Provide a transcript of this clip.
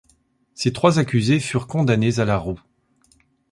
Ces trois accusés furent condamnés à la roue.